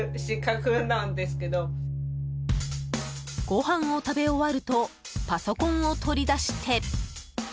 ごはんを食べ終わるとパソコンを取り出して。